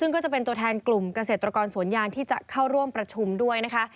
ซึ่งก็จะเป็นตัวแทนกลุ่มเกษตรกรสวนยางที่จะเข้าร่วมประชุมด้วยนะคะ